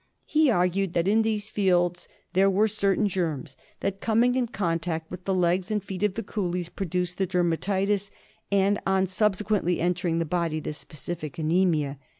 He argued that in these fields there were certain germs that, coming in contact with the legs and feet of the coolies, produced the dermatitis and, on sub sequently entering the body, the specific anaemia.